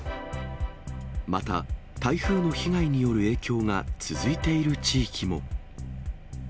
また、台風の被害による影響が続いている地域も。